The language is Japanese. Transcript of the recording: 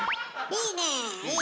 いいねえ！